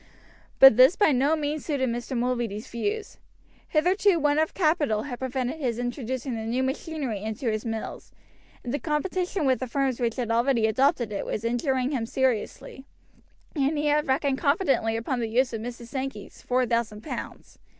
But this by no means suited Mr. Mulready's views. Hitherto want of capital had prevented his introducing the new machinery into his mills, and the competition with the firms which had already adopted it was injuring him seriously, and he had reckoned confidently upon the use of Mrs. Sankey's four thousand pounds.